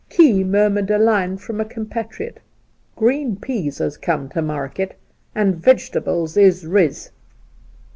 Key murmured a line from a compatriot :' Green pfeas has come to market, and vegetables is riz.'